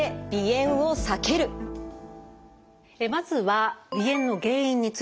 まずは鼻炎の原因についてです。